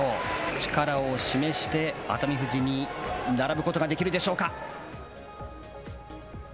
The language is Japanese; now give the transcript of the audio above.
力を示して、熱海富士に並ぶことができるでしょうか。